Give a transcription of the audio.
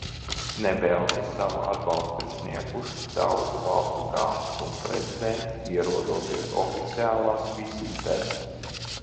Ne velti savu atbalstu ir snieguši daudzu valstu galvas un prezidenti, ierodoties oficiālās vizītēs.